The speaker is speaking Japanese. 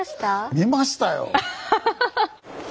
見ましたよ！